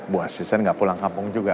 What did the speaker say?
bu asisten gak pulang kampung juga